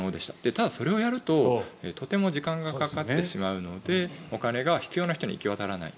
ただそれをやるととても時間がかかってしまうのでお金が必要な人に行き渡らない。